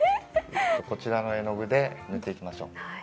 こちらの絵の具で塗っていきましょう。